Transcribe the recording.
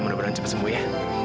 mudah mudahan cepat sembuh ya